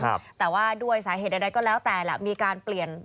แต่ว่าด้วยสาเหตุใดก็แล้วแต่แหละมีการเปลี่ยน